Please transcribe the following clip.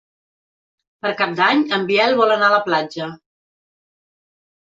Per Cap d'Any en Biel vol anar a la platja.